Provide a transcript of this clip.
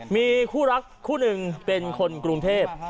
มีคู่รักคู่หนึ่งเป็นคนกรุงเทพ